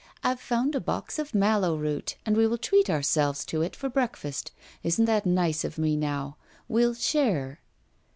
I've found a box of mallow root, and we will treat ourselves to it for breakfast. Isn't that nice of me now! We'll share.